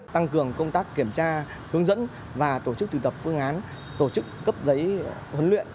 tăng cường công tác kiểm tra hướng dẫn và tổ chức tùy tập phương án tổ chức cấp giấy huấn luyện